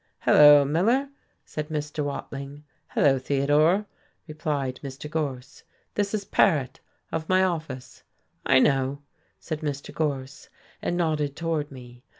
"Hello, Miller," said Mr. Watling. "Hello, Theodore," replied Mr. Gorse. "This is Paret, of my office." "I know," said Mr. Gorse, and nodded toward me.